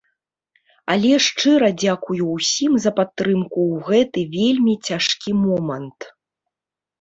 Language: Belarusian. Але шчыра дзякую ўсім за падтрымку ў гэты вельмі цяжкі момант.